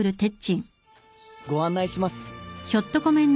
ご案内します。